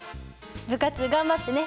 部活頑張ってね。